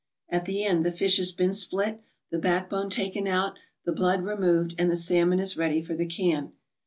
At the end the fish has been split, the backbone taken out, the blood removed, and the salmon is ready for the can.